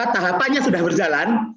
tahapannya sudah berjalan